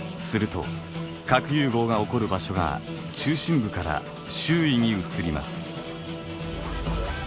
すると核融合が起こる場所が中心部から周囲に移ります。